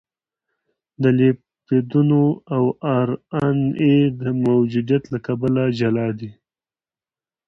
د لیپیدونو او ار ان اې د موجودیت له کبله جلا دي.